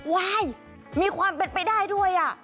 มีความเป็นไปได้ด้วย